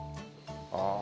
ああ。